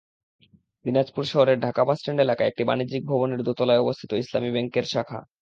দিনাজপুর শহরের ঢাকা বাসস্ট্যান্ড এলাকায় একটি বাণিজ্যিক ভবনের দোতলায় অবস্থিত ইসলামী ব্যাংকের শাখা।